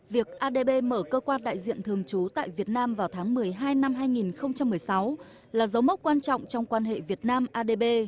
việc adb mở cơ quan đại diện thường trú tại việt nam vào tháng một mươi hai năm hai nghìn một mươi sáu là dấu mốc quan trọng trong quan hệ việt nam adb